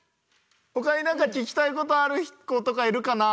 ほかに何か聞きたいことある子とかいるかな？